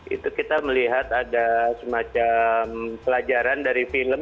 itu kita melihat ada semacam pelajaran dari film